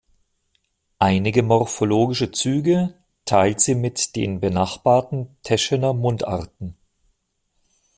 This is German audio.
Einige morphologische Züge teilt sie mit den benachbarten Teschener Mundarten.